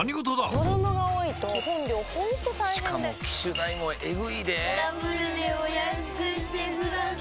子供が多いと基本料ほんと大変でしかも機種代もエグいでぇダブルでお安くしてください